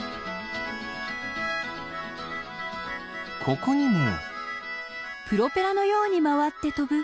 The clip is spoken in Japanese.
ここにも？